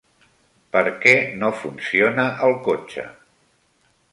Per què no funciona el cotxe?